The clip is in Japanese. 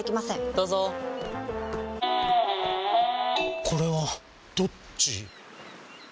どうぞこれはどっち？